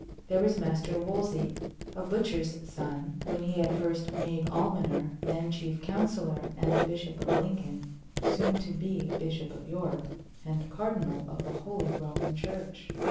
There was Master Wolsey, a butcher's son, whom he had first made almoner, then chief counselor and Bishop of Lincoln, soon to be Bishop of York, and Cardinal of the Holy Roman Church.